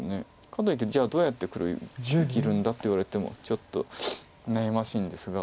かといってじゃあどうやって黒生きるんだって言われてもちょっと悩ましいんですが。